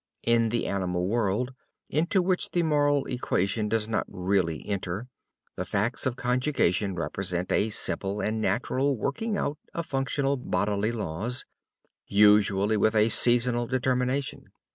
In the animal world, into which the moral equation does not really enter, the facts of conjugation represent a simple and natural working out of functional bodily laws, usually with a seasonal determination.